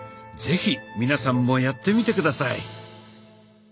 是非皆さんもやってみて下さい。